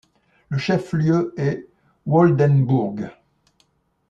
Le chef-lieu est Waldenburg.